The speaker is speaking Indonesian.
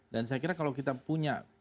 dan saya kira kalau kita punya